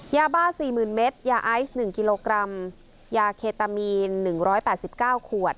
ยาบ้า๔๐๐๐เมตรยาไอซ์๑กิโลกรัมยาเคตามีน๑๘๙ขวด